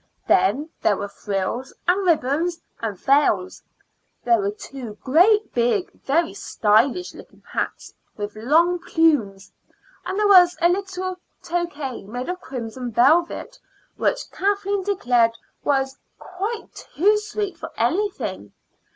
Then there were frills and ribbons and veils; there were two great, big, very stylish looking hats, with long plumes; and there was a little toque made of crimson velvet, which Kathleen declared was quite too sweet for anything.